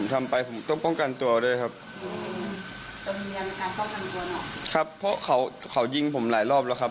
เขาพยายามฆ่าผมหลายรอบแล้วครับ